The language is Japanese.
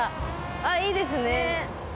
あっいいですね。